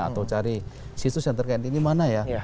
atau cari situs yang terkait ini mana ya